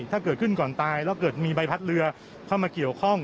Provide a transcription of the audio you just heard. ถ้าเกิดขึ้นก่อนตายแล้วเกิดมีใบพัดเรือเข้ามาเกี่ยวข้อง